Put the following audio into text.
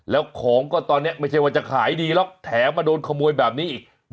แล้วของก็ตอนนี้ไม่ใช่ว่าจะขายดีหรอกแถมมาโดนขโมยแบบนี้อีก